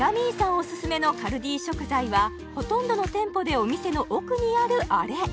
オススメのカルディ食材はほとんどの店舗でお店の奥にあるアレ！